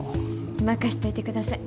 任しといてください。